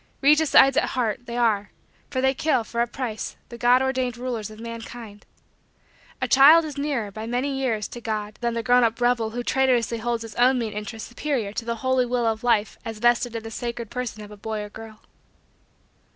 Regicides at heart, they are, for they kill, for a price, the God ordained rulers of mankind. A child is nearer, by many years, to God than the grown up rebel who traitorously holds his own mean interests superior to the holy will of Life as vested in the sacred person of a boy or girl.